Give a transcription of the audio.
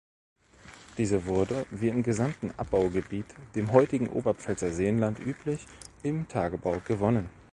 Diese wurde, wie im gesamten Abbaugebiet, dem heutigen Oberpfälzer Seenland, üblich, im Tagebau gewonnen.